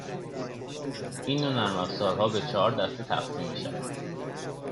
این نوع نرمافزارها به چهار دسته تقسیم میشوند